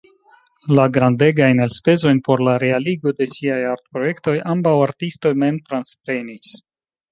La grandegajn elspezojn por la realigo de siaj artprojektoj ambaŭ artistoj mem transprenis.